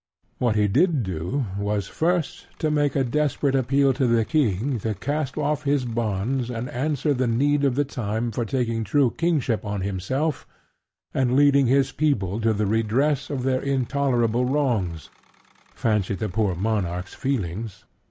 What he did do was first to make a desperate appeal to the King to cast off his bonds and answer the need of the time by taking true Kingship on himself and leading his people to the redress of their intolerable wrongs (fancy the poor monarch's feelings!)